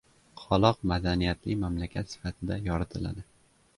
qoloq madaniyatli mamlakat sifatida yoritiladi.